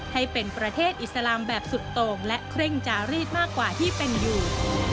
ให้เป็นประเทศอิสลามแบบสุดโต่งและเคร่งจารีดมากกว่าที่เป็นอยู่